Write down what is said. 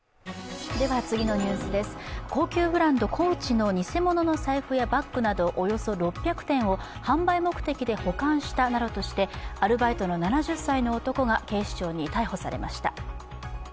高級ブランドＣＯＡＣＨの偽物の財布やバッグなどおよそ６００点を販売目的で保管したなどとしてアルバイトの７０歳の男が警視庁に逮捕されました。